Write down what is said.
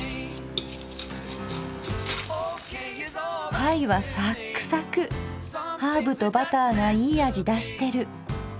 パイはサックサクハーブとバターがいい味出してる。